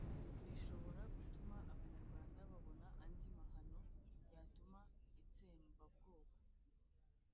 rishobora gutuma abanyarwanda babona andi mahano yatuma itsembabwoko.